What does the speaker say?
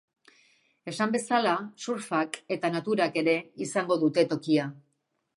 Esan bezala, surfak eta naturak ere izango dute tokia.